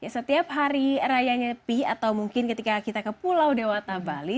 setiap hari raya nyepi atau mungkin ketika kita ke pulau dewata bali